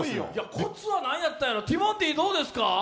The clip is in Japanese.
コツは何やったろう、ティモンディ、どうですか？